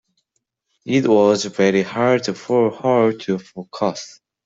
It was very hard for her to focus.